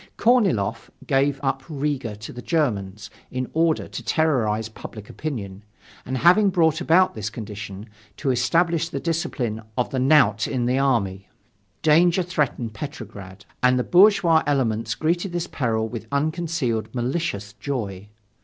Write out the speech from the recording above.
Korniloff gave up Riga to the Germans in order to terrorize public opinion, and having brought about this condition, to establish the discipline of the knout in the army. Danger threatened Petrograd. And the bourgeois elements greeted this peril with unconcealed malicious joy.